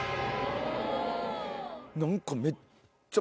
何かめっちゃ。